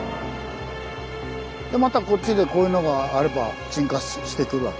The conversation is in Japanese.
でまたこっちでこういうのがあれば沈下してくるわけ。